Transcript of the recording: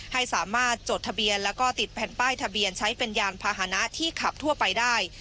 ให้สามารถจดทะเบียนแล้วก็ติดแผ่นป้ายทะเบียนใช้เป็นยานพาหนะที่ขับทั่วไปได้